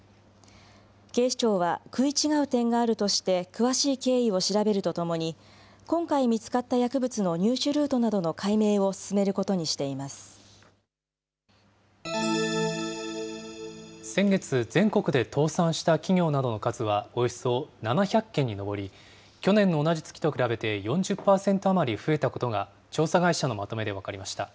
警視庁は、食い違う点があるとして、詳しい経緯を調べるとともに、今回見つかった薬物の入手ルートなどの解明を進めることにしてい先月、全国で倒産した企業などの数はおよそ７００件に上り、去年の同じ月と比べて４０％余り増えたことが、調査会社のまとめで分かりました。